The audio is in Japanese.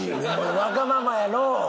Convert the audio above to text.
わがままやのう。